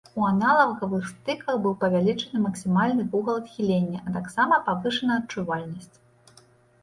У аналагавых стыках быў павялічаны максімальны вугал адхілення, а таксама падвышана адчувальнасць.